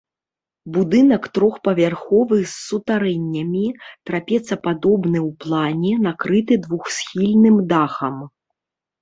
Будынак трохпавярховы з сутарэннямі, трапецападобны ў плане, накрыты двухсхільным дахам.